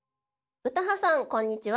・詩羽さんこんにちは。